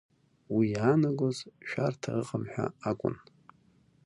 Уи иаанагоз шәарҭа ыҟам ҳәа акәын.